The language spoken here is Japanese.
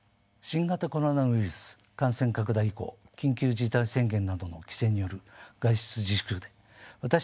新型コロナウイルス感染拡大以降緊急事態宣言などの規制による外出自粛で私たちの生活は大きく変化しました。